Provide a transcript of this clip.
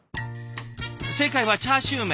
正解はチャーシュー麺。